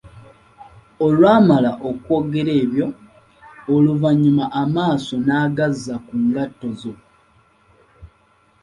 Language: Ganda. Olwamala okwogera ebyo, oluvannyuma amaaso n‘agazza ku ngatto zo.